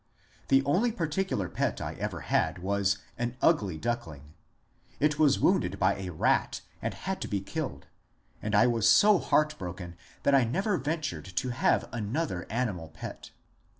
The only particular pet I ever had was an ugly duckling ; it was wounded by a rat and had to be killed, and I was so heartbroken that I never ventured to have another animal pet.